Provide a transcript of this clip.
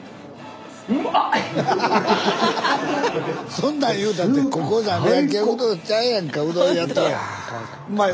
そんなん言うたってここ鍋焼き屋うどんちゃうやんか。